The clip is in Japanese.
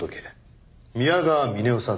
宮川峰夫さん